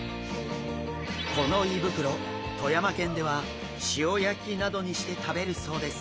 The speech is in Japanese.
この胃袋富山県では塩焼きなどにして食べるそうです。